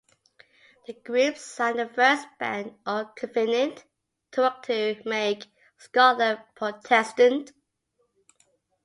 The group signed the 'First Band' or Covenant to work to make Scotland Protestant.